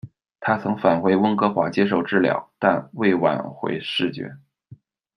她曾返回温哥华接受治疗，但未挽回视觉。